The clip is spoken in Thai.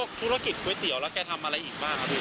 ธุรกิจก๋วยเตี๋ยวแล้วแกทำอะไรอีกบ้างครับพี่